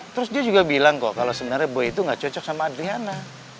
terus dia juga bilang kok kalau sebenarnya boy itu gak cocok sama adriana